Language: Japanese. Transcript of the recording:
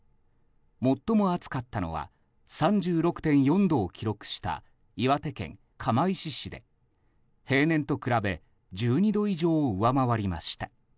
最も暑かったのは３６．４度を記録した岩手県釜石市で、平年と比べ１２度以上、上回りました。